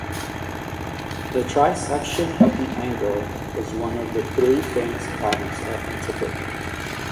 The trisection of the angle was one of the three famous problems of antiquity.